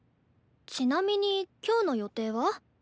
ちなみに今日の予定は？